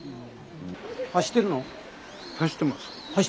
走ってるの？